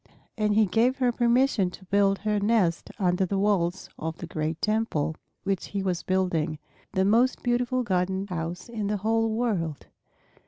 And he gave her permission to build her nest under the walls of the great Temple which he was building, the most beautiful, golden house in the whole world.